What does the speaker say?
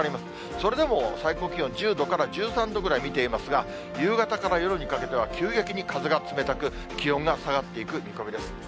それでも最高気温１０度から１３度ぐらい見ていますが、夕方から夜にかけては、急激に風が冷たく、気温が下がっていく見込みです。